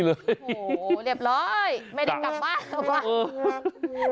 โหเรียบร้อยไม่ได้กลับบ้านหรอกป๊ะ